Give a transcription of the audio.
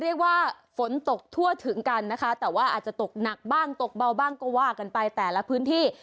เรียกว่าฝนตกทั่วถึงกันนะคะแต่ว่าอาจจะตกหนักบ้างตกเบาบ้างก็ว่ากันไปแต่ละพื้นที่